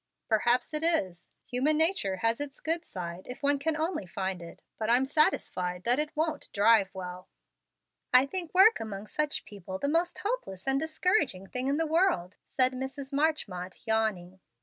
"Perhaps it is. Human nature has its good side if one can only find it, but I'm satisfied that it won't drive well." "I think work among such people the most hopeless and discouraging thing in the world," said Mrs. Marchmont, yawning.